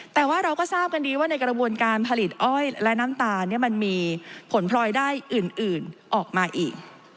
แต่ว่าเราก็ทราบกันดีว่าในกระบวนการผลิตอ้อยและน้ำตาลมันมีผลพลอยได้อื่นออกมาอีก